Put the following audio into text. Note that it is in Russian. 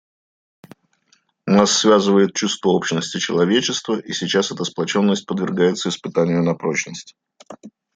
Нас связывает чувство общности человечества, и сейчас эта сплоченность подвергается испытанию на прочность.